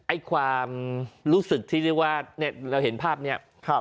ความรู้สึกที่เรียกว่าเราเห็นภาพนี้